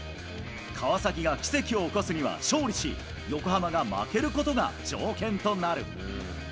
川崎が奇跡を起こすには勝利し、横浜が負けることが条件となる。